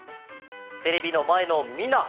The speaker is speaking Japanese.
テレビのまえのみんな！